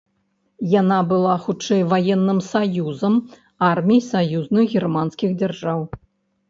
Яна была хутчэй ваенным саюзам армій саюзных германскіх дзяржаў.